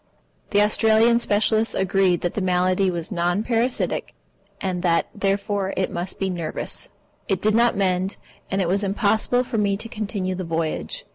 The Australian specialists agreed that the malady was non parasitic, and that, therefore, it must be nervous. It did not mend, and it was impossible for me to continue the voyage.